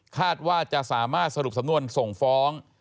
คาดว่าจะสามารถสรุปสำนวนส่งฟ้อง